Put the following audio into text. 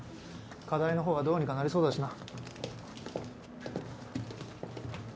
課題の方はどうにかなりそうだしな。